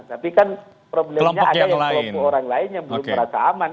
tapi kan problemnya ada yang kelompok orang lain